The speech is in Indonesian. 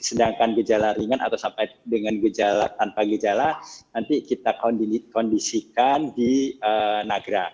sedangkan gejala ringan atau sampai dengan gejala tanpa gejala nanti kita kondisikan di nagra